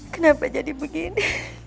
kenapa jadi begini